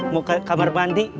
mau ke kamar mandi